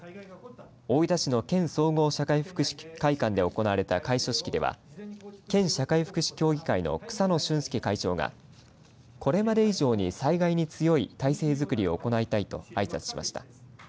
大分市の県総合社会福祉会館で行われた、開所式では県社会福祉協議会の草野俊介会長がこれまで以上に災害に強い体制づくりを行いたいとあいさつしました。